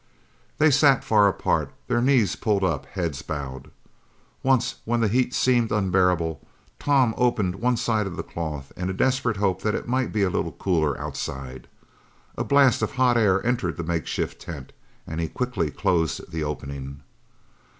They sat far apart, their knees pulled up, heads bowed. Once when the heat seemed unbearable, Tom opened one side of the cloth in a desperate hope that it might be a little cooler outside. A blast of hot air entered the makeshift tent and he quickly closed the opening.